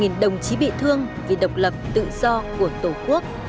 hơn hai mươi đồng chí bị thương vì độc lập tự do của tổ quốc